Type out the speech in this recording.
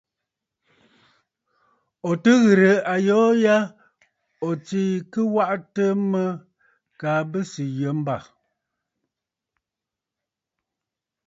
Ò tɨ ghɨ̀rə̀ ayoo ya ò tsee kɨ waʼatə mə kaa bɨ sɨ yə mbâ.